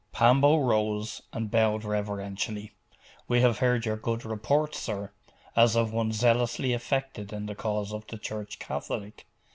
Pambo rose, and bowed reverentially. 'We have heard your good report, sir, as of one zealously affected in the cause of the Church Catholic.